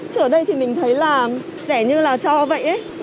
chứ ở đây thì mình thấy là rẻ như là cho vậy